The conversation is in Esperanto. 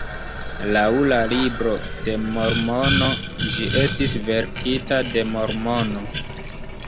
Laŭ la Libro de Mormono, ĝi estis verkita de Mormono.